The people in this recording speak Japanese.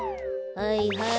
はいはい。